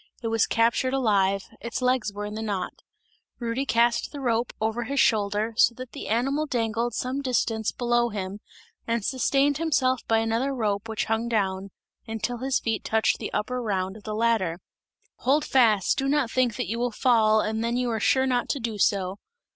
It was captured alive, its legs were in the knot; Rudy cast the rope over his shoulder, so that the animal dangled some distance below him, and sustained himself by another rope which hung down, until his feet touched the upper round of the ladder. "Hold fast, do not think that you will fall and then you are sure not to do so!"